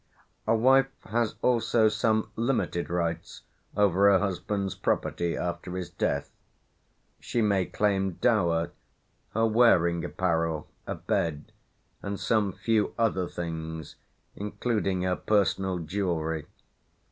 A wife has also some limited rights over her husband's property after his death; she may claim dower, her wearing apparel, a bed, and some few other things, including her personal jewellery.